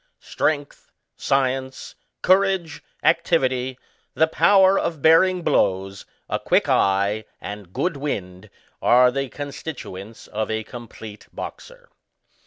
Strength, science^ courage y activity , the power of bearing blows, a quick eye, and good wind, are the constituents of a complete boxer.